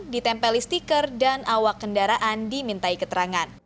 ditempeli stiker dan awak kendaraan dimintai keterangan